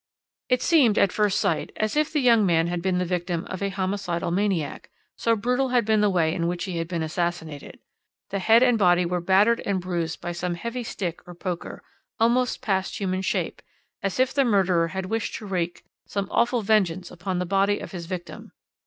"It seemed at first sight as if the young man had been the victim of a homicidal maniac, so brutal had been the way in which he had been assassinated. The head and body were battered and bruised by some heavy stick or poker, almost past human shape, as if the murderer had wished to wreak some awful vengeance upon the body of his victim.